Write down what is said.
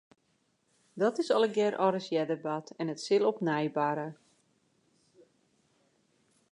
Dat is allegearre al ris earder bard en it sil op 'e nij barre.